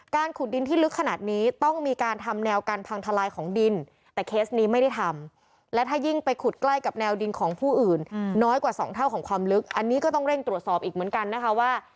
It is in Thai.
ของความลึกอันนี้ก็ต้องเร่งตรวจสอบอีกเหมือนกันนะคะว่า